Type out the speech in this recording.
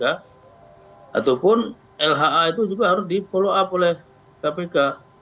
ataupun lha itu juga harus di follow up oleh kpk